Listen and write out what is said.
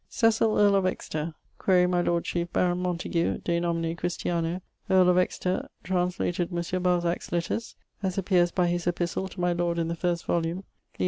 Cecil, earl of Exeter (quaere my lord chief baron Montagu de nomine Christiano), earle of Exeter, translated monsieur Balsac's letters, as appeares by his epistle to my lord in the first volumne, lib.